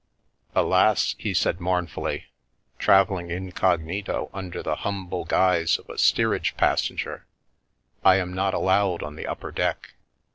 "Alas I" he said mournfully, "travelling incognito under the humble guise of a steerage passenger, I am not allowed on the upper deck.